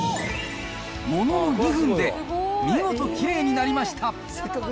ものの２分で、見事きれいになりました。